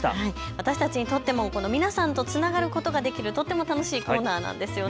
私たちにとっても皆さんとつながることができるとっても楽しいコーナーなんですよね。